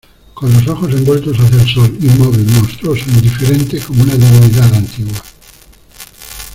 con los ojos vueltos hacia el sol, inmóvil , monstruoso , indiferente como una divinidad antigua.